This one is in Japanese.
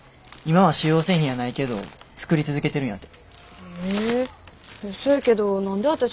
今は主要製品やないけど作り続けてるんやて。